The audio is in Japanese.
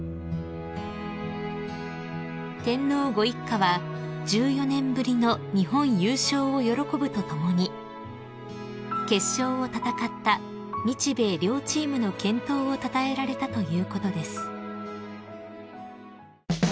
［天皇ご一家は１４年ぶりの日本優勝を喜ぶとともに決勝を戦った日米両チームの健闘をたたえられたということです］